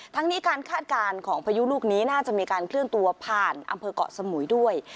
ทั้งนี้การคาดการณ์ของพายุลูกนี้น่าจะมีการเคลื่อนตัวผ่านอำเภอกเกาะสมุยด้วย